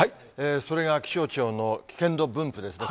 それが気象庁の危険度分布ですね。